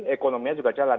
ekonominya juga jalan